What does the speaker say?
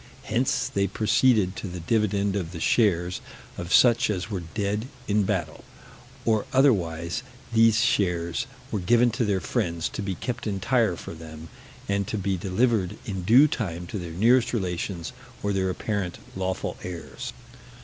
Hence they proceeded to the dividend of the shares of such as were dead in battle, or otherwise: these shares were given to their friends, to be kept entire for them, and to be delivered in due time to their nearest relations, or their apparent lawful heirs.